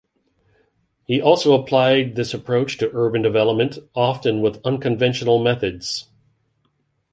He also applied this approach to urban development, often with unconventional methods.